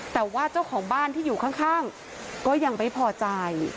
แต่ว่าเจ้าของบ้านที่อยู่ข้างก็ยังไม่พอใจ